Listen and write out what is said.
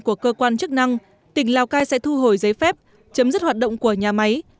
với quyết định của cơ quan chức năng tỉnh lào cai sẽ thu hồi giấy phép chấm dứt hoạt động của nhà máy